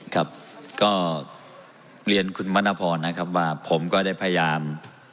ครับก็เรียนคุณมณพรนะครับว่าผมก็ได้พยายาม